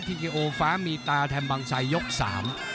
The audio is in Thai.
กิโอฟ้ามีตาแถมบางไซยกสาม